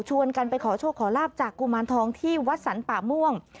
กันไปขอโชคขอลาบจากกุมารทองที่วัดสรรป่าม่วง